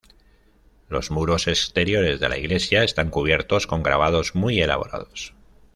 Los muros exteriores de la iglesia están cubiertos con grabados muy elaborados.